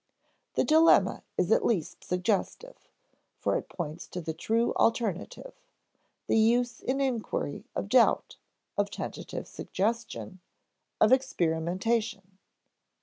The dilemma is at least suggestive, for it points to the true alternative: the use in inquiry of doubt, of tentative suggestion, of experimentation.